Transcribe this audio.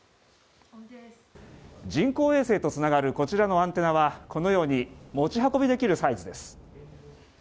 人工衛星とつながるこちらのアンテナはこのように持ち運びできるサイズです。